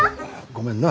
ごめんな。